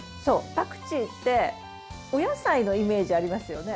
パクチーってお野菜のイメージありますよね。